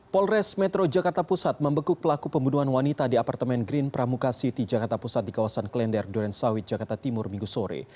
polres metro jakarta pusat membekuk pelaku pembunuhan wanita di apartemen green pramuka city jakarta pusat di kawasan klender durensawit jakarta timur minggu sore